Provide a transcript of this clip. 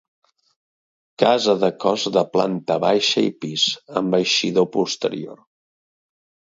Casa de cos de planta baixa i pis, amb eixida posterior.